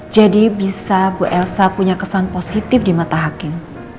jadi bisa bu elsa punya kesan positif di mata hakim